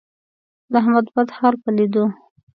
د احمد بد حال په لیدو،